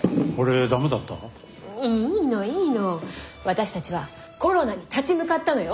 私たちはコロナに立ち向かったのよ？